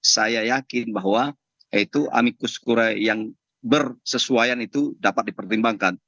saya yakin bahwa itu amikus kura yang bersesuaian itu dapat dipertimbangkan